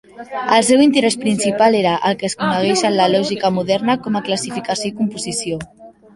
El seu interès principal era el que es coneix en la lògica moderna com a classificació i composició.